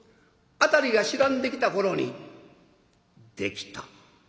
辺りが白んできた頃に「出来た。